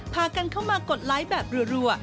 พากันเข้ามากดไลค์แบบรัว